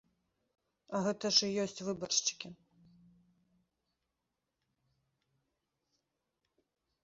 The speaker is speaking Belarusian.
А гэта ж і ёсць выбаршчыкі!